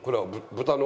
豚の。